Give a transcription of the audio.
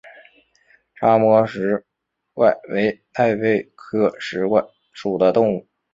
叉膜石蛏为贻贝科石蛏属的动物。